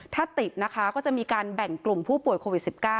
ถ้าติดนะคะก็จะมีการแบ่งกลุ่มผู้ป่วยโควิด๑๙